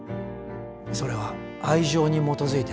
それは愛情に基づいての結婚ですか？